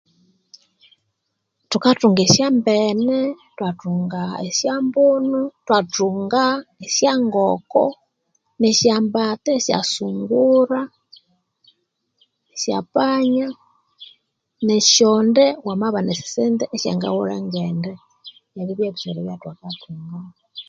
Thukathunga esyambene, ithwathunga esyambunu, ithwathunga esyangoko, esya mbata, esya sungura, nesyonde , esya panya wamabana esyasente esyangawulha Ende. Ebyo byebisoro ebithukathunga